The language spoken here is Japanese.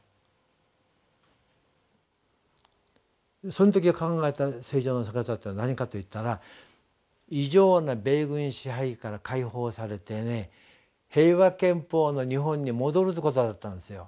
その時考えた「正常な姿」とは何かと言ったら異常な米軍支配から解放されてね平和憲法の日本に戻るということだったんですよ。